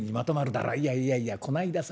いやいやいやこないださ